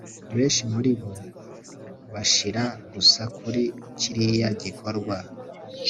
benshi muribo bashira gusa kuri kiriya gikorwa